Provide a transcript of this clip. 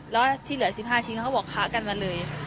แล้วที่เหลือ๑๕ชิ้นเขาบอกค้ากันมาเลย